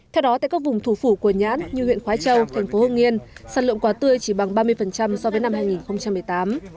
theo đó tại các vùng thủ phủ của nhãn như huyện khói châu thành phố hương yên sản lượng quả tươi chỉ bằng ba mươi so với năm hai nghìn một mươi tám